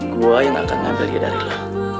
gue yang akan ngambil dia dari lo